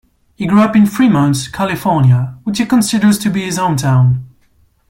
He grew up in Fremont, California, which he considers to be his hometown.